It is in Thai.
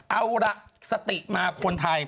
เอาล่ะสติมาคนไทย